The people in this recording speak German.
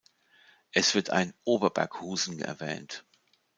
Es wird ein „Ober-Berkhusen“ erwähnt.